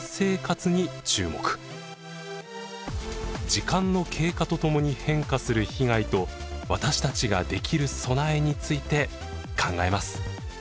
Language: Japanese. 時間の経過とともに変化する被害と私たちができる備えについて考えます。